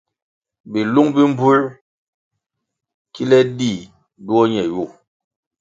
Bilung bi mbpuer kile dih duo ñe yu.